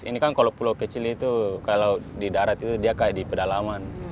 ini kan kalau pulau kecil itu kalau di darat itu dia kayak di pedalaman